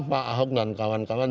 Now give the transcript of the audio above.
pak ahok dan kawan kawan